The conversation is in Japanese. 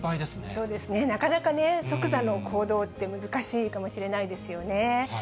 そうですね、なかなかね、即座の行動って難しいかもしれないですよね。